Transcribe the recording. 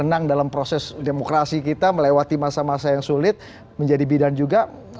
menang dalam proses demokrasi kita melewati masa masa yang sulit menjadi bidan juga